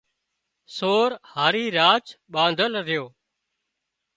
سور هارِي راچ ٻانڌل ريو